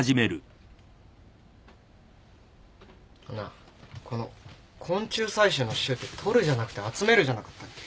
なあこの「昆虫採取」の「取」って取るじゃなくて集めるじゃなかったっけ？